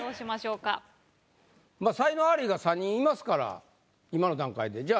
まぁ才能アリが３人いますから今の段階で。